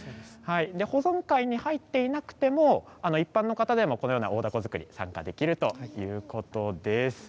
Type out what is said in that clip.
保存会に入っていなくても一般の方でも大だこ作りに参加できるということです。